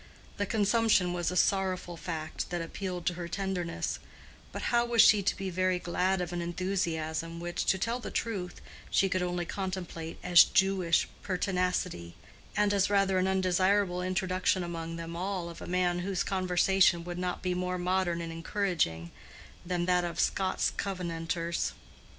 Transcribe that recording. The consumption was a sorrowful fact that appealed to her tenderness; but how was she to be very glad of an enthusiasm which, to tell the truth, she could only contemplate as Jewish pertinacity, and as rather an undesirable introduction among them all of a man whose conversation would not be more modern and encouraging than that of Scott's Covenanters?